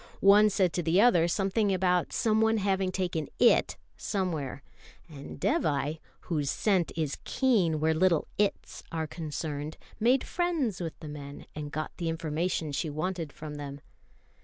One said to the other something about someone having taken "It" somewhere; and Dévai, whose scent is keen where little "Its" are concerned, made friends with the men, and got the information she wanted from them.